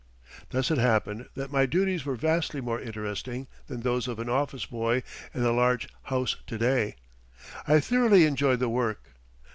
Thus it happened that my duties were vastly more interesting than those of an office boy in a large house to day. I thoroughly enjoyed the work.